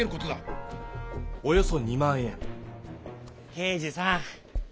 刑事さん。